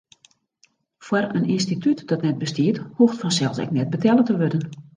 Foar in ynstitút dat net bestiet, hoecht fansels ek net betelle te wurden.